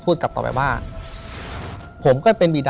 ถูกต้องไหมครับถูกต้องไหมครับ